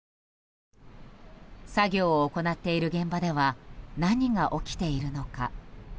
作業を行っている現場では何が起きているのか。